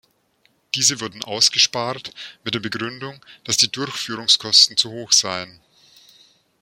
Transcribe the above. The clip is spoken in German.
Diese wurden ausgespart, mit der Begründung, dass die Durchführungskosten zu hoch seien.